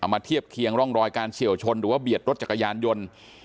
เทียบเคียงร่องรอยการเฉียวชนหรือว่าเบียดรถจักรยานยนต์